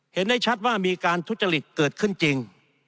เห็นได้ชัดว่ามีการทุจริตเกิดขึ้นจริง